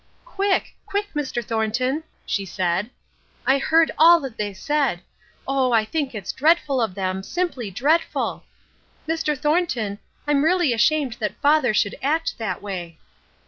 "'Quick, quick, Mr. Thornton,' she said. 'I heard all that they said. Oh, I think it's dreadful of them, simply dreadful. Mr. Thornton, I'm really ashamed that Father should act that way.'